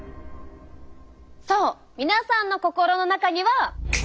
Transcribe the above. そう皆さんの心の中には。